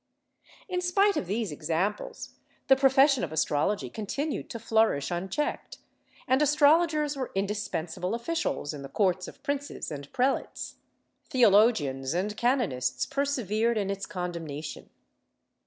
In spite of these examples, the profession of astrology continued to flourish unchecked, and astrologers were indispensable officials in the courts of princes and prelates. Theo logians and canonists persevered in its condemnation.